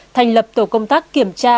thành lập tổ công tác kiểm tra